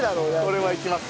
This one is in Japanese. これはいきます。